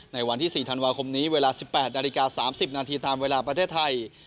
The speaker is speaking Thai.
ในวันที่๔ธันวาคมนี้เวลา๑๘นาฬิกา๓๐นาทีตามเวลาประเทศไทย